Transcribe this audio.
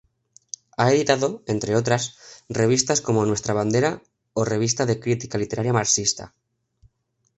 Ha editado, entre otras, revistas como "Nuestra Bandera" o "Revista de Crítica Literaria Marxista".